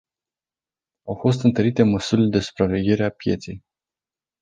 Au fost întărite măsurile de supraveghere a pieței.